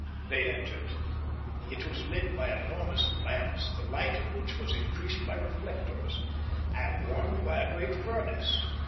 They entered. It was lit by enormous lamps, the light of which was increased by reflectors, and warmed by a great furnace.